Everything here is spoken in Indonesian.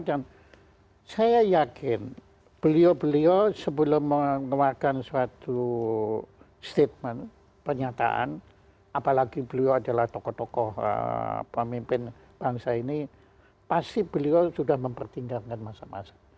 dan saya yakin beliau beliau sebelum mengeluarkan suatu statement pernyataan apalagi beliau adalah tokoh tokoh pemimpin bangsa ini pasti beliau sudah mempertinggalkan masa masa